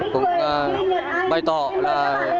cũng bày tỏ là